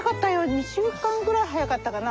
２週間ぐらい早かったかな。